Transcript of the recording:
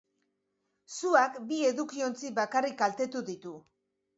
Suak bi edukiontzi bakarrik kaltetu ditu.